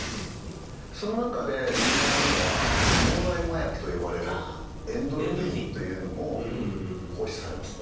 その中で有名なものは脳内麻薬と呼ばれるエンドルフィンというのも放出されます。